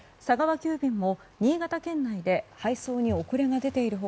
急便も新潟県内で配送に遅れが出ている他